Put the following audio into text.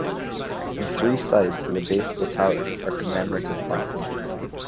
On three sides of the base of the tower are commemorative plaques.